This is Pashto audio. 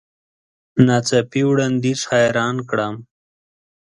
نا څاپي وړاندیز حیران کړم .